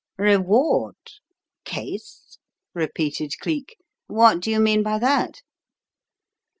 "Reward? Case?" repeated Cleek. "What do you mean by that?"